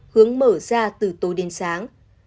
hướng mở ra từ tối đến sáng